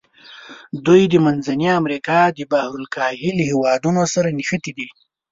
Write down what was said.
دوی د منځني امریکا د بحر الکاهل هېوادونو سره نښتي دي.